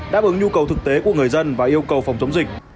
đáp ứng nhu cầu thực tế của người dân và yêu cầu phòng chống dịch